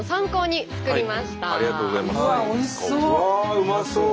うまそう！